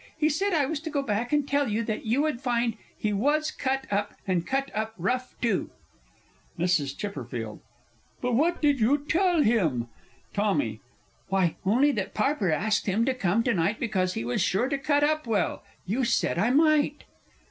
He said I was to go back and tell you that you would find he was cut up and cut up rough, too! MRS. C. But what did you tell him? TOMMY. Why, only that Parpar asked him to come to night because he was sure to cut up well. You said I might!